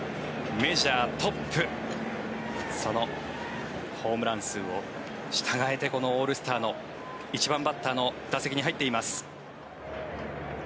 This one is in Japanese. メジャートップそのホームラン数をしたがえて、このオールスターの１番バッターの打席に入っています。